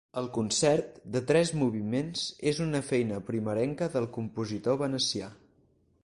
El concert, de tres moviments, és una feina primerenca del compositor venecià.